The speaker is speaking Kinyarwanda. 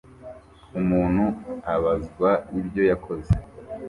Umuntu abazwaibyo yakoze